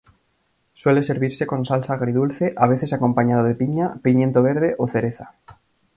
Suele servirse con salsa agridulce, a veces acompañado de piña, pimiento verde o cereza.